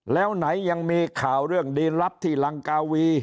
แล้วไหนยังมีข่าวเรื่องดีลับที่ลังกาวี